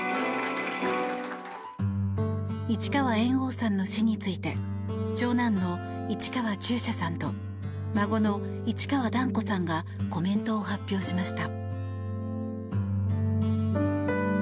市川猿翁さんの死について長男の市川中車さんと孫の市川團子さんがコメントを発表しました。